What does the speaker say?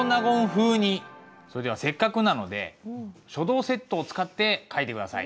それではせっかくなので書道セットを使って書いて下さい。